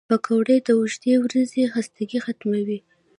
پکورې د اوږدې ورځې خستګي ختموي